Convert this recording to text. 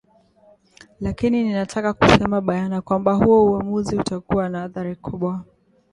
Lakini ninataka kusema bayana kwamba huo uwamuzi utakua na athari kubwa